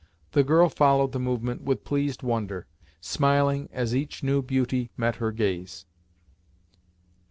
The girl followed the movement with pleased wonder, smiling as each new beauty met her gaze.